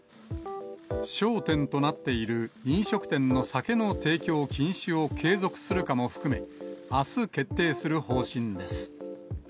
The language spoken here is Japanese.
焦点となっている飲食店の酒の提供禁止を継続するかも含め、あす決定する方針です。